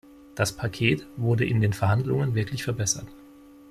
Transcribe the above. Das Paket wurde in den Verhandlungen wirklich verbessert.